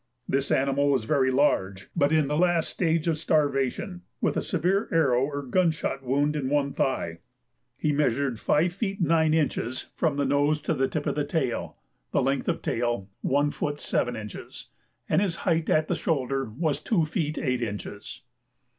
This animal was very large, but in the last stage of starvation, with a severe arrow or gun shot wound in one thigh. He measured 5 feet 9 inches from the nose to the tip of the tail, (length of tail 1 foot 7 inches,) and his height at the shoulder was 2 feet 8 inches.